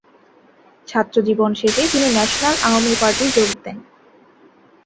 ছাত্র জীবন শেষে তিনি ন্যাশনাল আওয়ামী পার্টি যোগ দিন।